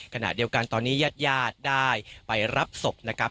ขณะเดียวกันตอนนี้ญาติญาติได้ไปรับศพนะครับ